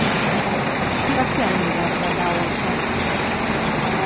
Qui va ser el líder de Dau al Set?